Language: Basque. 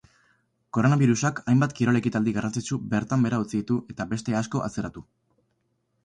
Koronabirusak hainbat kirol-ekitaldi garrantzitsu bertan behera utzi ditu eta beste asko atzeratu.